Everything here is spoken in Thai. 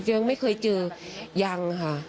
เจ้าไม่เคยเจอยังค่ะ